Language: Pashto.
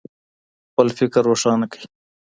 خپل فکر روښانه کړئ.